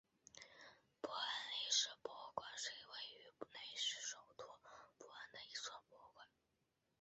伯恩历史博物馆是位于瑞士首都伯恩的一座博物馆。